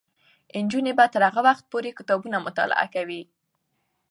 نجونې به تر هغه وخته پورې کتابونه مطالعه کوي.